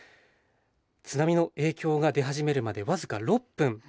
津波の影響が出始めるまで僅か６分。